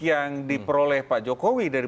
yang diperoleh pak jokowi dari